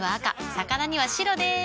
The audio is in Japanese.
魚には白でーす。